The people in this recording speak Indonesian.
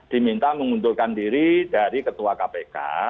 diminta mengundurkan diri dari ketua kpk